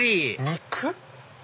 肉？